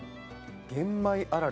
玄米あられ。